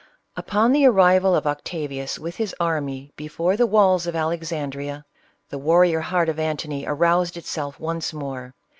Upon the arrival of Octavius with his army before the walls of Alexandrea, the warrior heart of Antony aroused itself once more.